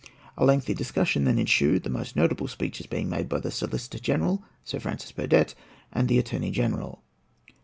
A lengthy discussion then ensued, the most notable speeches being made by the Solicitor General, Sir Francis Burdett, and the Attorney General.